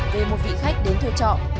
về một vị khách đến thuê trọ